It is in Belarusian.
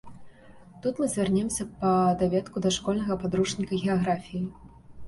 Тут мы звернемся па даведку да школьнага падручніка геаграфіі.